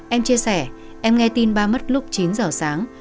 em chia sẻ em nghe tin ba mất lúc chín giờ sáng